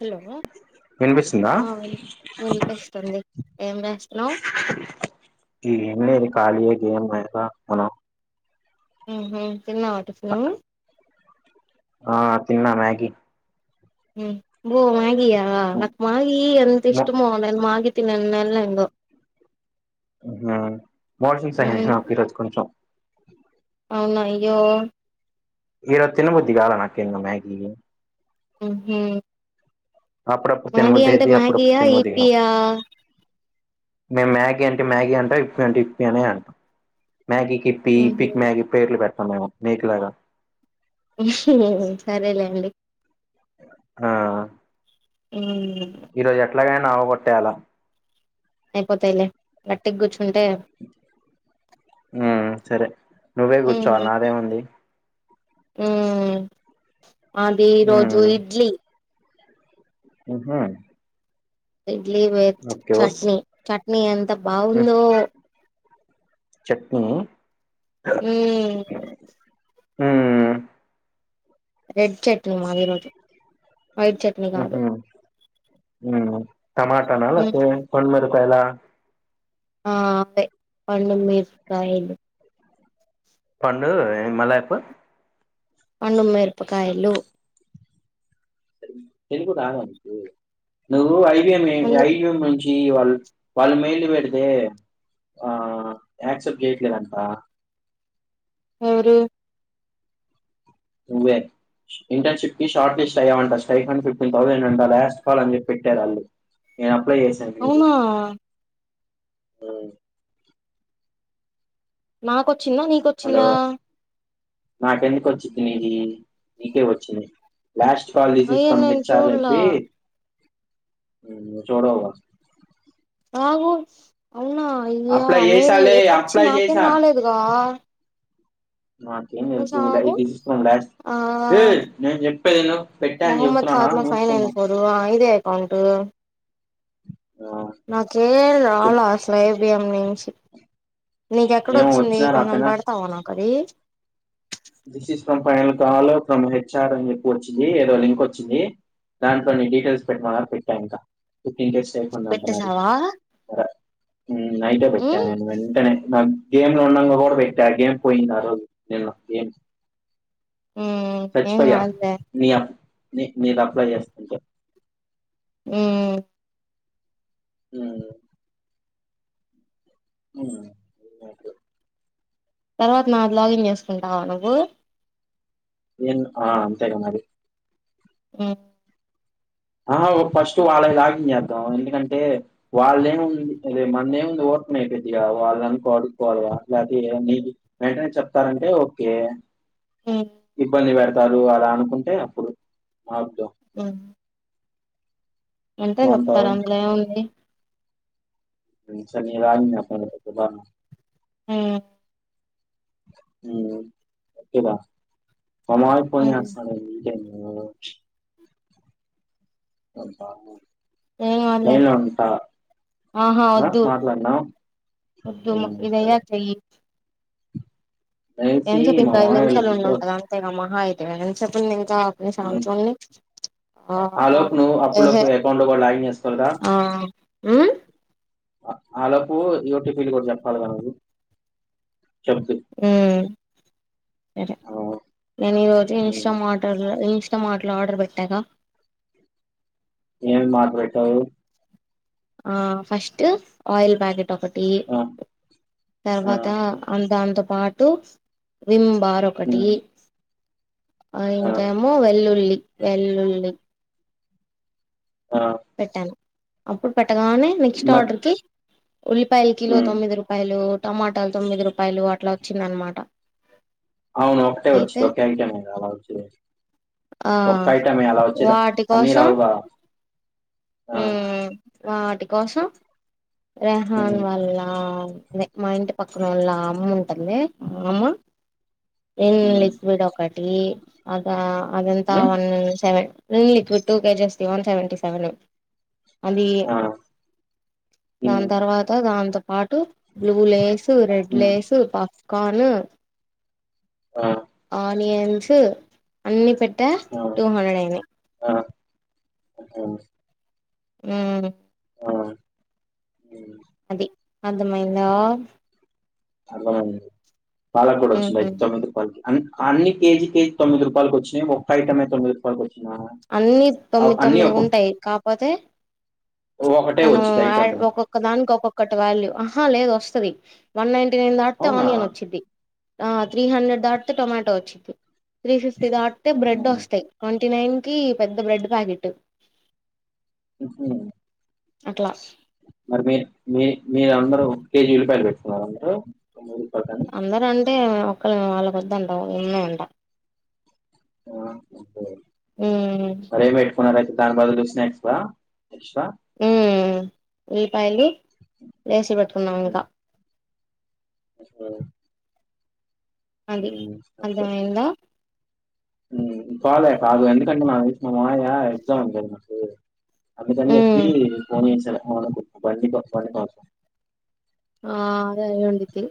Hello వినిపిస్తుందా ఆ వి వినిపిస్తుంది ఏం చేస్తున్నావు ఏం లేదు ఖాళీయే గేమ్ ఆడతా మనం ఉహు తిన్నావా టిఫు నూ ఆ తిన్నా మ్యాగి బో మ్యాగీ ఆ నాక్ మాగీ ఎంత మో- ఇష్టమో నేను మాగి తినన్ నల్ అ ఏందో హ్మ్ మోషన్స్ అయినాయ్ ఉమ్ నాకు ఈ రోజు కొంచెం అవునా అయ్యో ఈడ తినబుద్ధి కాల నాకు ఎందో మ్యాగీ ఉహ్మ అప్పుడు అప్పుడు తినబుద్ధి అయితాయ్ అప్పుడు అప్పుడు తినబుద్ధి కావు ఇపియా మేము మ్యాగీ అంటే మ్యాగీ అంటాం ఇప్పి అంటే ఇప్పి అనే అంటామ్ మ్యాగీకి ఇప్పి ఉహు ఇప్పికి మ్యాగీ పేర్లు పెట్టం మేము మీకులాగా సరేలే అండి ఆ అవున్లే అట్లాగ అయినా అవగోట్టేయాలా అయిపోతయి లే గట్టిగా గూచ్చ్ ఆ సరే నువ్వే కూర్చోవాలి నాదేముంది ఉ అది ఈ రోజు ఇడ్లీ [inaudible] హ ఇడ్లీ వేచ్చ్ చట్నీ చట్నీ ఎంత బావుందో చట్నీ ఉమ్ ఉమ్ రెడ్ చట్నీ మాది ఈరోజు వైట్ చట్నీ కాదు టమాట న లేకపోతే పండు మిరపకాయల ఆ అదే పండు మిరపకాయల పండు మల్ల చెప్పు పండు మిరపకాయలు తెలుగు రాధ నీకు నువ్వు [inaudible] వాళ్ళు మెయిల్ పెడితే ఆ యాక్సెప్ట్ చేయట్లే అంట ఎవరు నువ్వే ఇంటర్న్‌షిప్ క షార్ట్ లిస్ట్ అయ్యమంట స్ట్రైఫాన్ ఫిటీన్ థౌసండ్ అంద లాస్ట్ కాల్ అని చెప్పి పెట్టారు అల్ యా అవునా ఉమ్ నాకొచ్చిందా హలో నీకొచ్చిందా నాకెందుకు వచ్చింది నీది నీకే వచ్చింది లాస్ట్ కల్ అయ్యో తీసిస్తం నేను హెచ్ఆర్ అని చూడలా చేప్పి చోడవు [inaudible] నాకు అవునా అయ్యా అప్లై మేల్ చేసాలే ఎప్పుడొచ్చింది అప్లై నాకేం చేసా రాలేదుగా ఇది నాకేం తెలుసు కొంచెం ఆగు ఇది కాంగ్రాట్స్ ఆ ఏయ్ నేను చెప్పేధి విను పెట్టనని మొహమ్మద్ చెబుతున్నానా ఫాతిమా ఫైవ్ నైన్ మూసుకున్నాను ఫోర్ ఆ ఇదే అకౌంట్ నాకేం రాలే చెప్పు అసలు ఐబిఏం నుంచి నీక ఎక్కడ ఏమో వచ్చింది వచ్చినా కొంచెం రాపోయినా పేడతావ నాకు అది కాలో ఫ్రమ్ హెచ్ఆర్ అని చెప్పు వచ్చింది ఏదో లింక్ వచ్చింది దాంట్లో నీ డీటెయిల్స్ పెట్టిమన్నారు పెట్టా ఇంక ఇంటెస్ట్ స్టిపెండ్ అంట మరి పెట్టేసావా నైట్ ఏ ఉమ్ పెట్టాను వెంటనే గేమ్ లో ఉండంగా కూడా పెట్టా గేమ్ పోయింది ఆ రోజు ఏదో ఉమ్ ఏం సచిపోయ కాదులే మీ నీది అప్లై చేస్తాంట ఉమ్ ఉమ్ [inaudible] తర్వాత నాది లాగిన్ చేసుకుంటావా నువ్వు ఏన్ ఆ అంతేగా మరి ఉమ్ ఆ ఫస్ట్ వాళ్ళలాగం చేద్దాం ఎందుకంటే వాళ్ళ ఏముంది అదే మనది ఏముంది నైపదిగా వాళ్ళని కోడుకోవాల లే నీ వెంటనే చెప్తారంటే ఓకే ఉమ్ ఇబ్బంది పెడతారు అలా అనుకుంటే అప్పుడు మా ఆ అంటే ఏమంటావు? చెప్తారు అందులో ఏముంది సర [inaudible] ఉమ్ ఉమ్ ఆంథెగా మావయ్య ఫోన్ ఉమ్ చెస్టున్నారు ఓ ఉంటా ఏం కాదులే నైనా ఉంటా ఆ మాట్లాడనా ఉద్యమ విదయ చెయి నాకు తెలిసి ఏని చెప్పి మా ఇంకా ఐదు మామయ్య నిమిషాలు వాళ్ళకి ఉం ఇంట్రో ఉంటది, అంతేగా మహా అయితే అని చెప్పిం ఆ ఒక నిమిషం అగు హ్మ్. చూడని, ఆ ఆలోపు నువ్వు ఏహే అప్పులోలకు అకౌంట్లో కూడా లాగిన్ చేసుకొని రా ఉ ఆలోపు ఓటి పిన్ కూడా చెప్పాలి కదా అండీ, ఉ సరే నేను ఈ రోజు ఇన్స్టా మాట ఇ ఇన్స్టాల్ మార్ట్ లా ఆర్డర్ పెట్టాగా, ఏం ఎం ఆర్డర్ పెట్టావు, ఆ ఫస్ట్ ఆయిల్ ప్యాకెట్, ఒకటి ఆ ఆ తర్వాత దాంతో పాటు విమ్ బార్ ఒకటి ఉమ్ ఆ ఇంకెమో వెల్లుల్లి, వెల్లులి ఆ పెట్టాను అప్పుడు పెట్టగానే నెక్స్ట్ మ ఆర్డర్ కి ఉల్లిపాయల కిలో ఉమ్ తొమ్మిది రూపాయలు టమాటాలు తొమ్మిది రూపాయలు అట్లా వచ్చింద అనమాట, అవును ఒకటే వచ్చిది ఒకేంకేనే అలా వచ్చిది. ఆ ఒక్క ప్యాకెట్ అలా వచ్చేది, అన్నీ రావుకదా ఉ వాటి కోసం ఉమ్ రెహాన్ వల్ల ఎ మా ఇంటి పక్క అక్కడళ్ళ అమ్మ ఉంటది, అమ్మ విన్ ఉమ్ లిక్విడ్ ఒకటి అద అదంతా um one seven Vim liquid two kgs one seventy seven, అది ఆ దాని ఉమ్ తర్వాత దాంతో two blue Lay's, red um Lay's, popcorn, ఆ వియన్స్ అన్ని పెట్టా, టూ హండ్రెడ్ అయినాయి. అ ఉ ఆ అది అర్థమైందా అర్థమైంది పాలకూర వచ్చిందా ఉమ్ అయితే తొమ్మిది రూపల్కి అన్ని కేజీకి తొమ్మి రపాయలు వచ్చినాయా ఒక ఐటమే తొమ్మిది రూపాయలు వచ్చా, అన్ని తొమ్మిది తొమ్మిది ఉంటాయి. కాకపోతే ఒకటే మనం వచ్చింది అడ్ ఐటము. ఒక్కొక్క దానికి ఒక్కొక్కటి వాల్యూ ఆహా లేదు వస్తాది, వన్ నైన్ టు నైన్ దాటితే అవునా! ఆనియన్ వచ్చిది, ఆ త్రీ హండ్రెడ్ దాటితే టొమాటో వచ్చిది. త్రీ ఫిఫ్టీ దాటితే హుహు. బెడ్ వస్తాయి. ఫిటీ నైన్ కి పెద్ద బ్రెడ్ ప్యాకెట్, ఉహు అట్లా మరి మీ మీ మీరు అందరూ కేజీ ఉల్లిపాయలు పెట్టుకున్నారు, అందరు త అందరు అంటే ఒకళ వాళ్ళకు వద్దంట ఉన్నాయంట, ఆ వాద ఉమ్ అరే మ కోనరా దాని బదులు స్నాక్స్ స్క్స్ ఉల్లిపాయలు వేసి పెట్టుకున్నాం, ఇంకా అ అది అర్ధంమైందా, కాల అదు ఎందుకంటిన మాయ ఎక్జామ్ అంద నాకు అబద్దం చేపి ఉమ్ ఫోన్ చేశా మా వాళ్లకు బండి కావా ఆ అదే అయిండిదే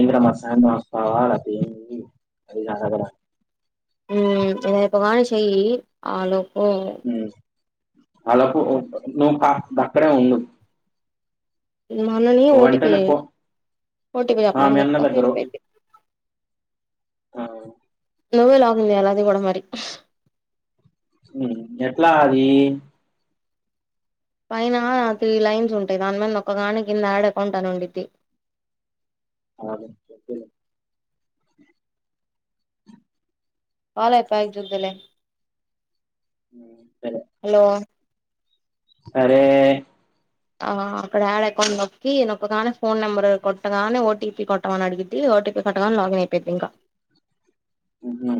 ఎంద్ర మరి సాయంత్రం వస్తావా, అది ఏంది అన్ని అడగలే, రేపు గాని చెయ్యి ఆలోపే అలాకు నువ్వు కా గక్కడే ఉండు మనని ఓ టి పి వెంటనే ఫో ఓ టి పి ఆ మీ చెప్పమని అన్న చెప్తా దగ్గరు సరిపోయింది ఆ నువ్వే లాగుంది అలాది గూడా మరి ఎట్లా అది పైనా త్రీ లైన్స్ ఉంటాయి దానిమీద నొక్కగానే కింద యాడ్ అకౌంట్ అనుండ్డిద్ది [inaudible] ఆలన్ చొప్పుళే కాల్ ఐపోయాక జూదువులే ఉమ్ సరే సరే ఆ అక్కడ యాడ్ అకౌంట్ నొక్కి నొక్కగానే ఫోన్ నెంబర్ కొట్టగానే ఓ టీ పీ కొట్టమని అడిగిద్ది ఓటిపీ కొట్టగాన్ [inaudible] అయిపొయ్యొద్దింక ఊహు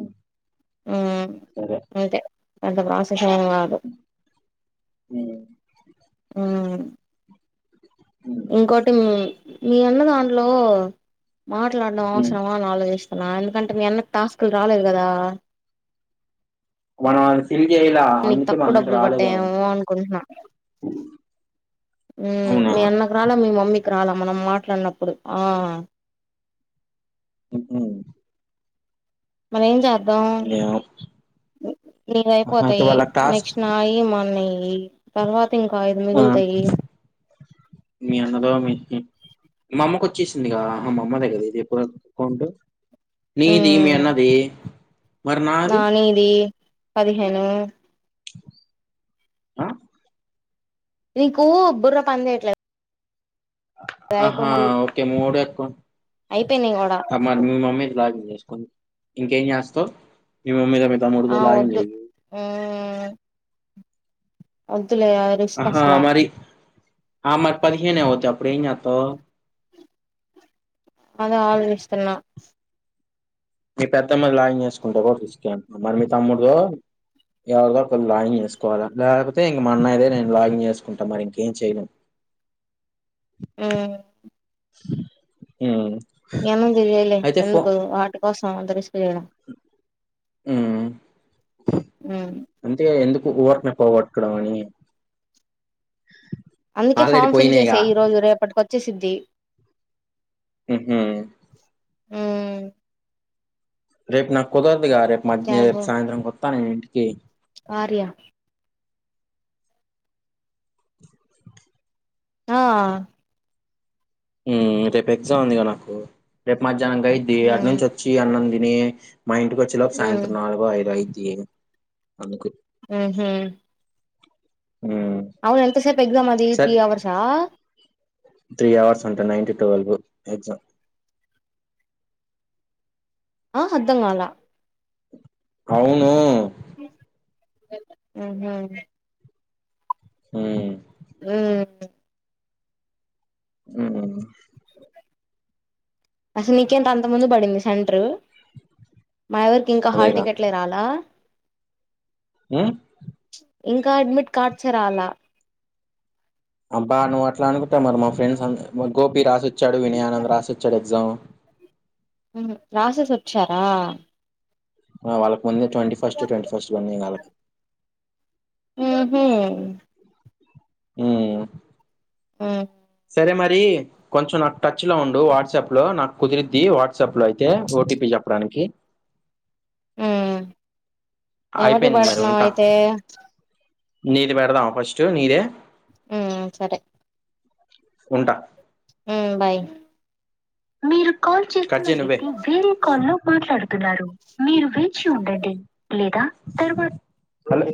సరే అంత ప్రాసెసేం గాదు ఉమ్ మ్మ్ ఉమ్ ఇంకోటి మీ మీ అన్న దాన్లో మాట్లాడడం ఉమ్ అవసరమా అని ఆలోచిస్ నా ఎందుకంటే మీ అన్నకి టాస్కులు రాలేదు గదా మనం అది ఫిల్ చెయ్య్లా అందుకే మన దాకా డబ్బులు రాలేదేమో పడ్డాయేమో మ్మ్ అవునా మీ అన్నకు రాలా మీ మమ్మీ రాల మనం మాట్లాడినప్పుడు ఆ ఉ ఊ మన ఏం జ ఏమో ఆహా, అయితే నీవైపోతాయి వాళ్ళ క్లాస్ నెక్స్ట్ నాయి మన్నయి తర్వాత్ ఆ మీ అన్నదో మీ మా అమ్మకు వచ్చేసిందిగా మా అమ్మ దగ్గర ఉంది ఇప్పుడు అకౌంట్ నీది ఉమ్ మీ అన్నది మరి నాది నానిది పదిహేను ఆ నీకు బుర్ర పనిచేయట్లే ఆ హా ఓకే మూడెత్కొ అయిపోయినాయి కూడా అ మరి మీ మమ్మీకి [unintelligible] ఇంకేం చేస్తావ్ మీ మమ్మీతో మీ తమ్ముడుతో ఆ లాగిన్ వద్దు జెయి అది అహా మరి ఆ మరి పదిహేనే పోతెప్ ఇప్పుడేం జాత్తావు అద ఆలోచిస్తున్న మీ పెద్దమ్మది లాగింగ్ చేసుకుంటే కూడా తీసుక అ మరి మీ తమ్ముడితో ఎవరిదో ఒక లాగింగ్ చేసుకోవాలా లేకపోతే ఇంక మా అన్నైదే నేను లాగింగ్ చేసుకుంటా మరి ఇంకేం చెయలేం మ్మ్ మ్మ్ ఏనం తెలిలే ఎందుకు వాటి కోసం అంత రిస్క్ చేయడం మ్మ్ మ్మ్ అంతే ఎందుక్ ఊర్కొనే పోగొట్కొడమని అందుకే ఫామ్ ఫిల్ చేసెయ్ ఈరోజు రేపటికి వచ్చేసిద్ది ఊ హ్మ్మ్ మ్మ్ రేపు నాకు కుదరదుగా రేపు మధ్య క్యాబ్ రేపు సాయంత్రం కొత్తా నేను ఇంటికి కార్య ఆ మ్ రేపు ఎగ్జామ్ ఉంది కద నాకు రేపు మధ్యాహ్నంగి అయిద్ది అటు మ్మ్ నుంచి వచ్చి అన్నం తిని నే మా ఇంటికి వచ్చేలోపు మ్మ్ సాయంత్రం నాలుగో, ఐదు అయిద్ది అందుకు ఆహ హ్మ్. అవును ఎంతసేపు ఎగజామ్ అది త్రీ అవర్సా? త్రీ అవర్స్ అంటా నైన్ టు ట్వెల్వ్ కు ఎగ్జామ్ ఆ అర్థం కాల అవును ఆహ ఉమ్ ఉమ్ ఉమ్ అసలు నీకేంట అంత ముందు పడింది సెంటరు మాయవరికి ఇంకా హాల్ అదేగా టికెట్లే రాలా ఉమ్ ఇంకా అడ్మిట్ కార్డ్స్ రాలా అబ్బా నువ్వు అట్లా అనుకుంటవు మరి మా ఫ్రెండ్స్ అందరు గోపి రాసోచ్చాడు. వినయానంద్ రాసోచ్చాడు ఎగ్జామ్. హ్మ్మ్ రాసేసి వచ్చారా? ఆ వాళ్ళకు ముందే ట్వంటీ ఫస్ట్, ట్వంటీ ఫస్ట్ లో ఉన్నాయి వాళ్ళకి ఉహు ఊ ఉ సరే మరి కొంచెం నాకు టచ్ లో ఉండు వాట్సాప్ లో నాకు కుదిరిద్ది వాట్సాప్ లో అయితే ఓటీపీ చెప్ప ప్పడానికి ఉమ్ ఎవరిది అయిపోయింది మరి పడుతున్నావ్ ఉంటా అయితే నీది పెడదాం ఫస్ట్ నీదే ఉమ్ సరే ఉంటా ఉమ్ బాయ్ మీరు కాల్ చేస్తున్న వ్యక్తి వేరే కాల్లో మాట్లాడుతున్నారు మీరు వేచి ఉండండి లేదా తరువత హలో